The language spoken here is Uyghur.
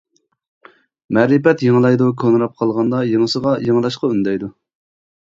مەرىپەت يېڭىلايدۇ، كونىراپ قالغاندا يېڭىسىغا يېڭىلاشقا ئۈندەيدۇ.